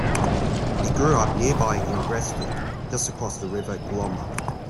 He grew up nearby in Gressvik, just across the river Glomma.